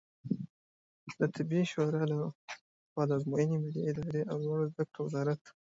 د طبي شورا له خوا د آزموینو ملي ادارې او لوړو زده کړو وزارت